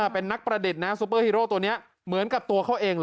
เป็นนักประดิษฐ์นะซูเปอร์ฮีโร่ตัวนี้เหมือนกับตัวเขาเองเหรอ